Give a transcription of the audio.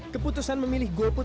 keputusan memilih golput